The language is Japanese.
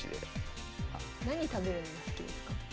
何食べるの好きですか？